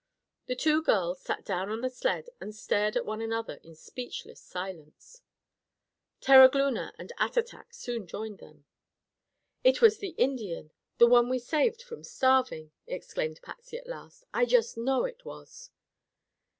The two girls sat down on the sled and stared at one another in speechless silence. Terogloona and Attatak soon joined them. "It was the Indian, the one we saved from starving!" exclaimed Patsy at last, "I just know it was."